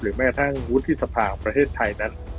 หรือแม้กระทั่งวุฒิศภาในประเทศไทยนั้น